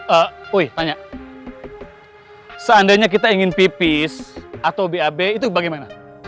eh wih tanya seandainya kita ingin pipis atau bab itu bagaimana